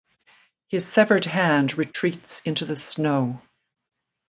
His severed hand retreats into the snow.